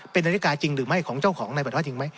เป็นนาฬิกาจริงหรือไม่ของเจ้าของในประเทศจริงไหม